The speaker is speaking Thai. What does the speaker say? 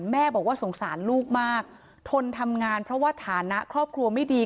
แม่บอกว่าสงสารลูกมากทนทำงานเพราะว่าฐานะครอบครัวไม่ดี